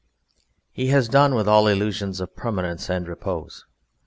He has done with all illusions of permanence and repose.